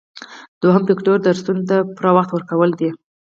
دوهم فکتور درسونو ته پوره وخت ورکول دي.